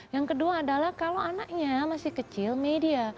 yang kedua adalah kalau anaknya masih kecil media